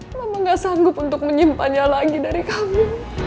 mama gak sanggup untuk menyimpannya lagi dari kami